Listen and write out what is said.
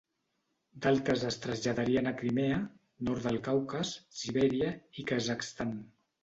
D'altres es traslladarien a Crimea, Nord del Caucas, Sibèria i Kazakhstan.